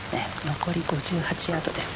残り５８ヤードです。